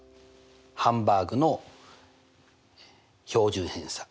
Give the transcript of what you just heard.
ハンバーグの標準偏差。